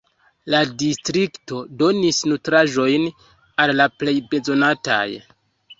La distrikto donis nutraĵojn al la plej bezonataj.